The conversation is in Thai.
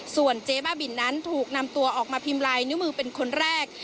ส่วนเจ๊บ้าบินนั้นถูกนำตัวออกมาพิมพ์ลายนิ้วมือเป็นคนแรก